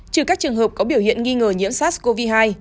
trừ các trường hợp có biểu hiện nghi ngờ nhiễm sars cov hai